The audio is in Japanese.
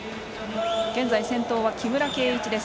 現在先頭は木村敬一。